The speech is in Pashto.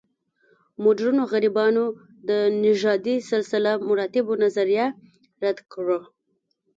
مډرنو غربیانو د نژادي سلسله مراتبو نظریه رد کړه.